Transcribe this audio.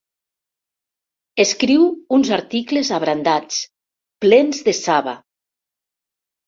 Escriu uns articles abrandats, plens de saba.